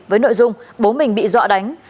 với nội dung bố mình bị dọa đánh